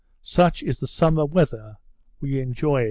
Such is the summer weather we enjoyed!